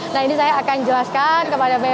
nah ini saya akan jelaskan